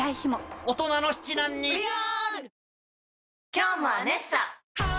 今日も「アネッサ」！